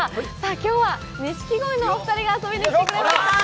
今日は錦鯉のお二人が遊びに来てくれました。